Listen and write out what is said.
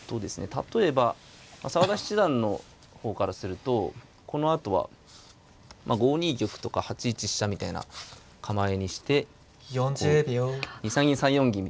例えば澤田七段の方からするとこのあとは５二玉とか８一飛車みたいな構えにしてこう２三銀３四銀みたいな。